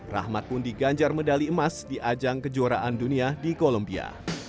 rahmat pun diganjar medali emas di ajang kejuaraan dunia di kolombia